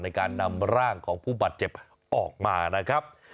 ในการนำร่างของผู้บาดเจ็บออกมานะครับ